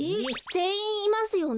ぜんいんいますよね？